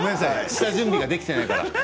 下準備ができてないから。